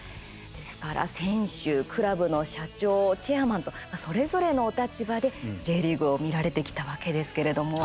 ですから選手、クラブの社長チェアマンとそれぞれのお立場でＪリーグを見られてきたわけですけれども。